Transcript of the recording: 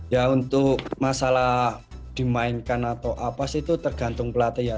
ya untuk masalah dimainkan atau apa sih itu tergantung pelatih ya